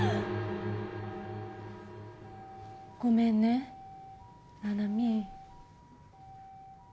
ごめんね七海。